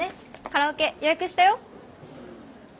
カラオケ予約したよ。